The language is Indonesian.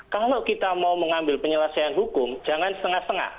kalau kita mau mengambil penyelesaian hukum jangan setengah setengah